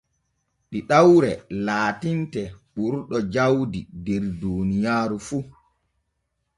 Ɗiɗawre laatinte ɓurɗo jawdi der duuniyaaru fu.